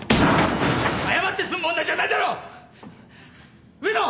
謝って済む問題じゃないだろ！